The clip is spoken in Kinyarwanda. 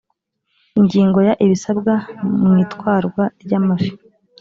ingingo ya ibisabwa mu itwara ry amafi